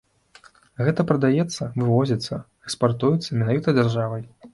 Гэта прадаецца, вывозіцца, экспартуецца менавіта дзяржавай.